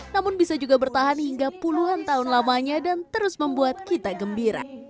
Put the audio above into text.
namun bisa juga bertahan hingga puluhan tahun lamanya dan terus membuat kita gembira